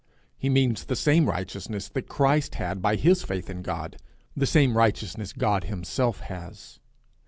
He means the same righteousness Christ had by his faith in God, the same righteousness God himself has.